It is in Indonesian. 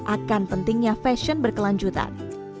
akan pentingnya fashion berkelanjutan